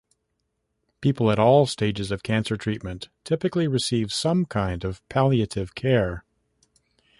People at all stages of cancer treatment typically receive some kind of palliative care.